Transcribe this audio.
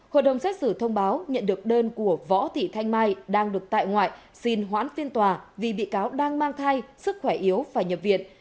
hội đồng xét xử thông báo nhận được đơn của võ thị thanh mai đang được tại ngoại xin hoãn phiên tòa vì bị cáo đang mang thai sức khỏe yếu phải nhập viện